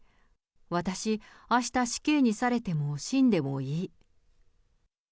私、あした死刑にされても死んでもいい。